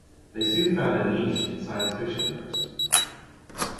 They soon found a niche in science fiction works.